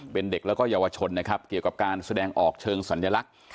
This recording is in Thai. เป็นเด็กแล้วก็เยาวชนนะครับเกี่ยวกับการแสดงออกเชิงสัญลักษณ์